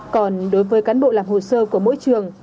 còn đối với cán bộ làm hồ sơ của mỗi trường